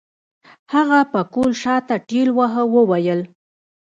هغه پکول شاته ټېلوهه وويل.